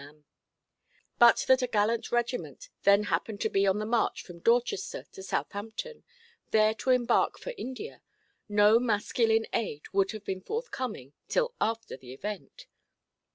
And but that a gallant regiment then happened to be on the march from Dorchester to Southampton, there to embark for India, no masculine aid would have been forthcoming till after the event.